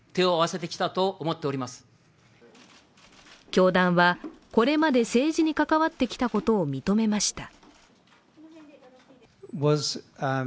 教団は、これまで政治に関わってきたことを認めました。